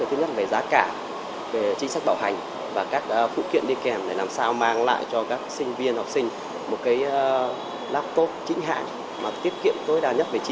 thứ nhất là về giá cả về chính sách bảo hành và các phụ kiện đi kèm để làm sao mang lại cho các sinh viên học sinh một cái laptop chính hạng mà tiết kiệm tối đa nhất về chi phí